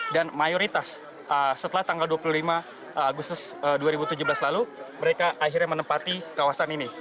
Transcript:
dan mayoritas setelah tanggal dua puluh lima agustus dua ribu tujuh belas lalu mereka akhirnya menempati kawasan ini